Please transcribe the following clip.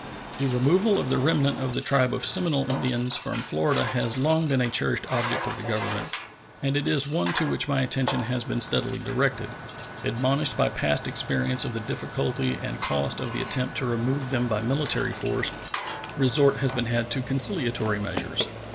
The removal of the remnant of the tribe of Seminole Indians from Florida has long been a cherished object of the Government, and it is one to which my attention has been steadily directed. Admonished by past experience of the difficulty and cost of the attempt to remove them by military force, resort has been had to conciliatory measures.